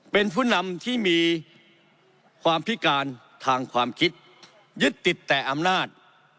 เป็นผู้นำที่มีความพิการทางความคิดยึดติดแต่อำนาจ